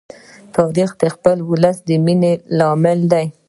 تاریخ د خپل ولس د مینې لامل دی.